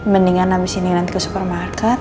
mendingan habis ini nanti ke supermarket